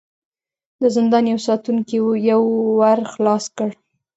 د زندان يوه ساتونکي يو ور خلاص کړ.